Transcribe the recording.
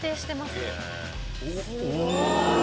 すごい。